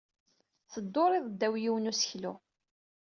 Teddurid ddaw yiwen n useklu.